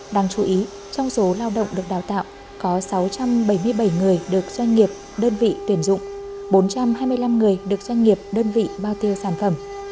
đáng chú ý trong số lao động được đào tạo có sáu trăm bảy mươi bảy người được doanh nghiệp đơn vị tuyển dụng bốn trăm hai mươi năm người được doanh nghiệp đơn vị bao tiêu sản phẩm